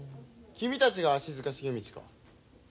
君たちが足塚茂道か。